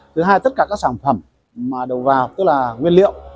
thứ hai tất cả các sản phẩm mà đầu vào tức là nguyên liệu